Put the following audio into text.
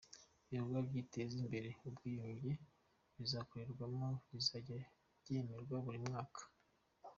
Ibikorwa biteza imbere ubwiyunge bizagikorwamo bizajya bigenwa buri mwaka .